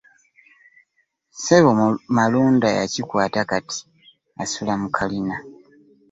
Ssebo Malunda yakikwata kati asula mu kalina.